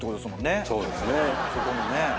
そこもね。